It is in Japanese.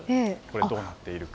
どうなっているか。